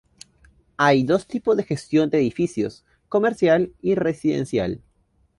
Hay dos tipos de gestión de edificios: comercial y residencial.